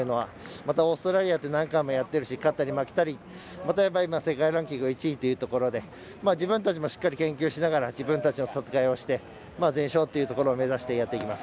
またオーストラリアとは何回もやってますし勝ったり負けたり世界ランキング１位というところで自分たちもしっかり研究しながら自分たちの戦いをして全勝というところを目指してやっていきます。